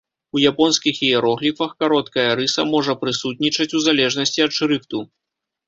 У японскіх іерогліфах кароткая рыса можа прысутнічаць у залежнасці ад шрыфту.